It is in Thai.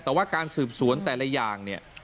แต่ว่าการสืบสวนแต่ละอย่างเนี่ย